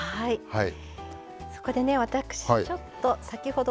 はい。